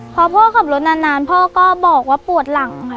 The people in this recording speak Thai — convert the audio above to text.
พอพ่อขับรถนานพ่อก็บอกว่าปวดหลังค่ะ